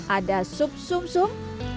ada sup sum sum